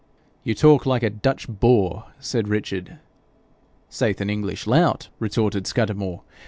'You talk like a Dutch boor,' said Richard. 'Saith an English lout,' retorted Scudamore.